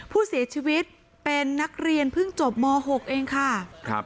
ผู้เสียชีวิตเป็นนักเรียนเพิ่งจบม๖เองค่ะครับ